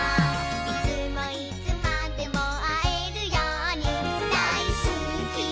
「いつもいつまでもあえるようにだいすきだからまたね」